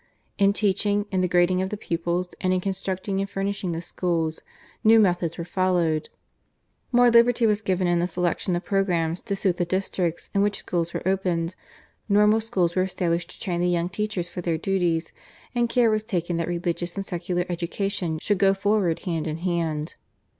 In teaching, in the grading of the pupils, and in constructing and furnishing the schools new methods were followed; more liberty was given in the selection of programmes to suit the districts in which schools were opened; normal schools were established to train the young teachers for their duties, and care was taken that religious and secular education should go forward hand in hand.